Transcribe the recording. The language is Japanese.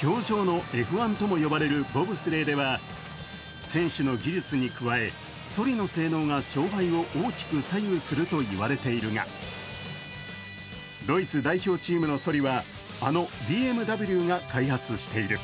氷上のＦ１とも言われるボブスレーでは選手の技術に加え、そりの性能が勝敗を大きく左右すると言われているがドイツ代表チームのそりはあのＢＭＷが開発している。